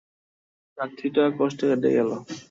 রাত্রিটা কষ্টে কাটিয়া গেল।